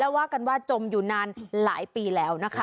ว่ากันว่าจมอยู่นานหลายปีแล้วนะคะ